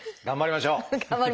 頑張りましょう。